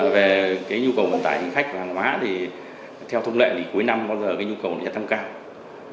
về nhu cầu vận tải khách hàng hóa theo thông lệ cuối năm bao giờ nhu cầu thăng cao